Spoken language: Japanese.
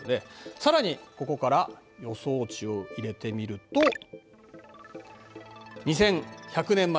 さらにここから予想値を入れてみると２１００年まで。